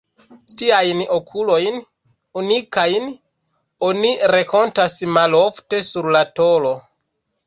Tiajn okulojn, unikajn, oni renkontas malofte sur la tolo.